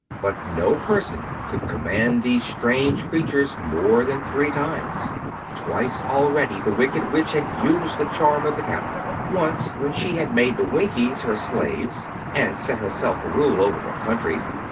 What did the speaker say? But no person could command these strange creatures more than three times. Twice already the Wicked Witch had used the charm of the Cap. Once was when she had made the Winkies her slaves, and set herself to rule over their country.